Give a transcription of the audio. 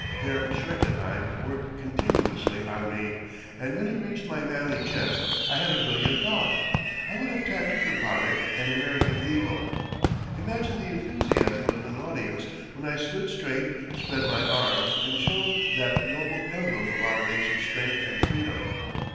Herr Schreckenheim worked continuously on me, and when he reached my manly chest I had a brilliant thought. I would have tattooed upon it an American eagle. Imagine the enthusiasm of an audience when I stood straight, spread my arms and showed that noble emblem of our nation's strength and freedom!